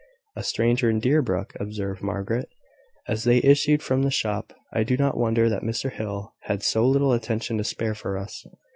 "A stranger in Deerbrook!" observed Margaret, as they issued from the shop. "I do not wonder that Mr Hill had so little attention to spare for us."